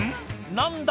何だ？